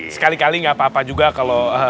sekali kali gak apa apa juga kalau